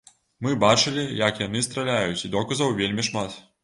Мы бачылі, як яны страляюць, і доказаў вельмі шмат.